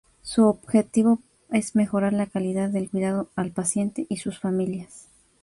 Su objetivo es mejorar la calidad del cuidado al paciente y sus familias.